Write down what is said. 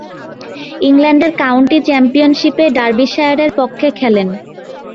ইংল্যান্ডের কাউন্টি চ্যাম্পিয়নশীপে ডার্বিশায়ারের পক্ষে খেলেন।